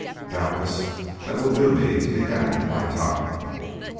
Doubtless that will do me till the end of my time!